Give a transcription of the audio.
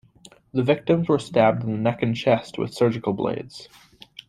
The victims were stabbed in the neck and chest with surgical blades.